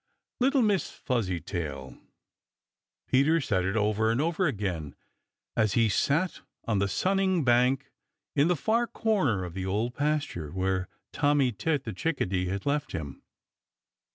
"Little Miss Fuzzytail!" Peter said it over and over again, as he sat on the sunning bank in the far corner of the Old Pasture, where Tommy Tit the Chickadee had left him.